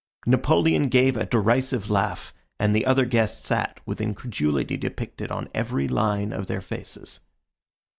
Napoleon gave a derisive laugh, and the other guests sat with incredulity depicted upon every line of their faces.